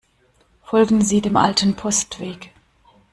Folgen Sie dem alten Postweg.